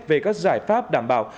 về các giải pháp đảm bảo